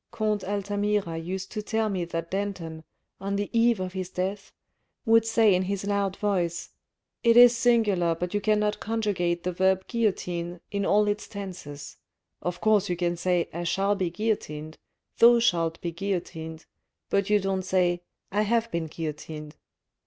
" Comte Altamira used to tell me that Danton, on the eve of his death, would say in his loud voice :* it is singular but you cannot conjugate the verb guillotine in all its tenses : of course you can say, I shall be guillotined, thou shalt be guillotined, but you don't say, I have been guillotined.'